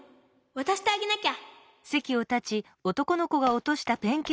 わたしてあげなきゃ！